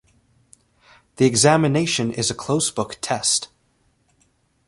The examination is a closed book test.